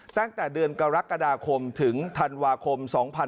ตั้งแต่เดือนกรกฎาคมถึงธันวาคม๒๕๖๒